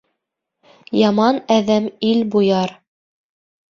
Яман әҙәм ил буяр.